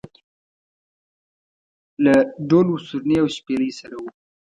له ډول و سورني او شپېلۍ سره و.